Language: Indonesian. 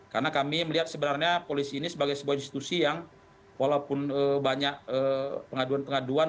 karena kami melihat sebenarnya polisi ini sebagai sebuah institusi yang walaupun banyak pengaduan pengaduan